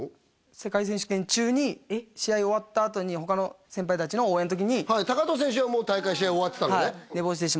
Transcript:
世界選手権中に試合終わったあとに他の先輩達の応援の時に藤選手はもう大会試合終わってたのね？